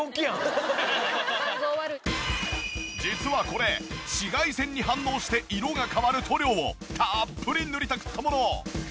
実はこれ紫外線に反応して色が変わる塗料をたっぷり塗りたくったもの。